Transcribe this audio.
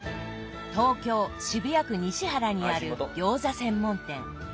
東京・渋谷区西原にある餃子専門店。